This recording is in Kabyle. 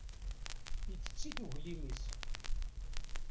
Itett-it uglim-is.